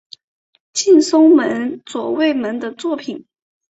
近松门左卫门的作品。